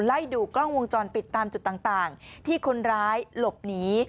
ไล่ดูกล้องวงจรปิดตามจุดต่างที่คนร้ายหลบหนี